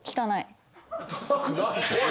おい！